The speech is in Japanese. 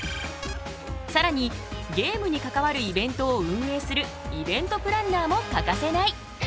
さらにゲームに関わるイベントを運営するイベントプランナーも欠かせない。